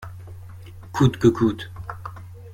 Coûte que coûte.